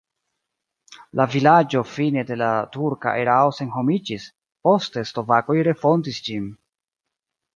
La vilaĝo fine de la turka erao senhomiĝis, poste slovakoj refondis ĝin.